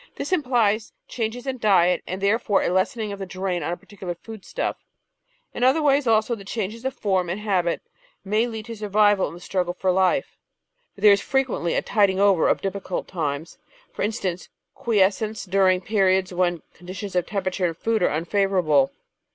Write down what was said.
This implies changes in diet, and therefore a lessening of the drain on any particular foodstuff. In other ways, also, the changes of form and habit may lead to survival in the struggle for life, for there is frequently a tiding over of difficult times ; for instance, quiescence during periods when con ditions of temperature and food are unfavourable.